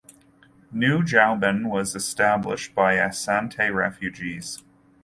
New Juaben was established by Asante refugees.